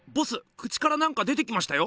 口からなんか出てきましたよ。